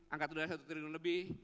angkatan darat satu triliun lebih